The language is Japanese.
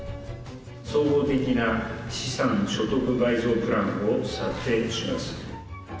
総合的な資産所得倍増プランを策定します。